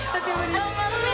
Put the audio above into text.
頑張ってー。